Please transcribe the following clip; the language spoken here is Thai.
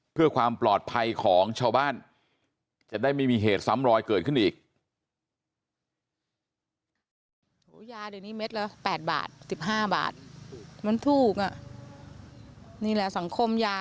เพื่อความปลอดภัยของชาวบ้านจะได้ไม่มีเหตุซ้ำรอยเกิดขึ้นอีก